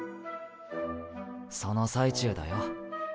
その最中だよ。